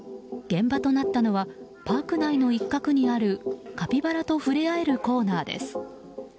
現場となったのはパーク内の一角にあるカピバラと触れ合えるコーナーです。